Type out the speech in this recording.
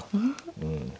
うん。